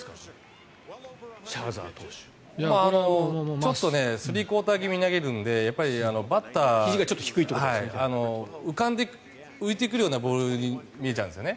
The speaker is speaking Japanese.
ちょっとスリークオーター気味に投げるのでバッターには浮いてくるようなボールに見えるんですよね。